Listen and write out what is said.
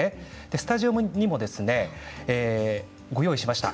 スタジオにご用意しました。